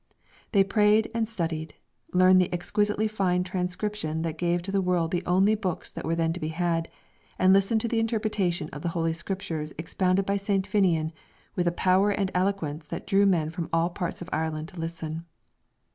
They prayed and studied, learnt the exquisitely fine transcription that gave to the world the only books that were then to be had, and listened to the interpretation of the Holy Scriptures expounded by St. Finnian with a power and eloquence that drew men from all parts of Ireland to listen.